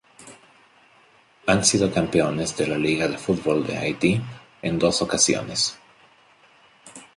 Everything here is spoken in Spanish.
Han sido campeones de la Liga de fútbol de Haití en dos ocasiones.